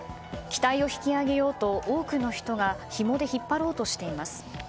機体を引き揚げようと多くの人がひもで引っ張ろうとしています。